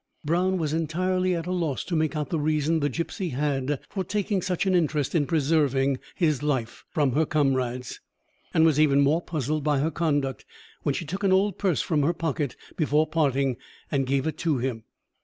Brown was entirely at a loss to make out the reason the gipsy had for taking such an interest in preserving his life from her comrades; and was even more puzzled by her conduct when she took an old purse from her pocket before parting, and gave it to him.